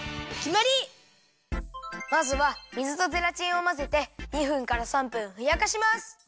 まずは水とゼラチンをまぜて２分から３分ふやかします。